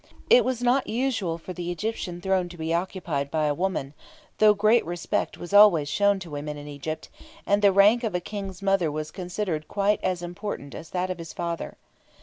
It was not usual for the Egyptian throne to be occupied by a woman, though great respect was always shown to women in Egypt, and the rank of a King's mother was considered quite as important as that of his father.